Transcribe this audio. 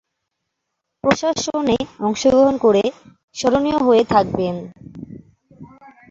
প্রশাসনে অংশগ্রহণ করে স্মরণীয় হয়ে থাকবেন।